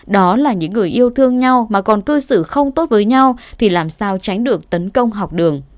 đó là những người yêu thương nhau mà còn cư xử không tốt với nhau thì làm sao tránh được tấn công học đường